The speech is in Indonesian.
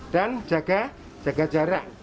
dan jaga jarak